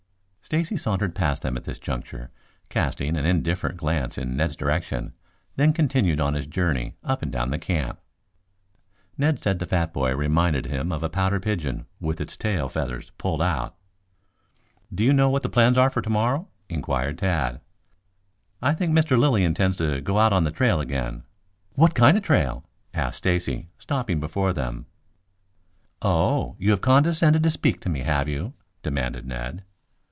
Stacy sauntered past them at this juncture casting an indifferent glance in Ned's direction, then continued on his journey up and down the camp. Ned said the fat boy reminded him of a pouter pigeon with its tail feathers pulled out. "Do you know what the plans are for tomorrow?" inquired Tad. "I think Mr. Lilly intends to go out on the trail again." "What kind of trail?" asked Stacy, stopping before them. "Oh, you have condescended to speak to me, have you?" demanded Ned.